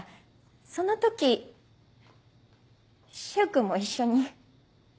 その時柊君も一緒に。